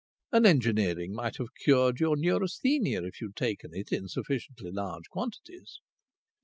"And engineering might have cured your neurasthenia, if you had taken it in sufficiently large quantities."